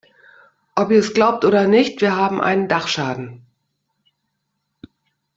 Ob ihr es glaubt oder nicht, wir haben einen Dachschaden.